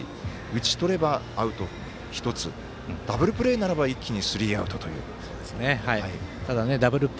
打ち取ればアウト１つダブルプレーならば一気にスリーアウトという。